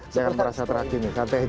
jangan merasa terhati nih santai aja